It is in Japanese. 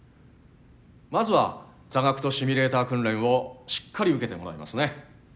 まずは座学とシミュレーター訓練をしっかり受けてもらいますね。